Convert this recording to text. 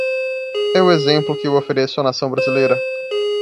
É o exemplo que eu ofereço à Nação brasileira.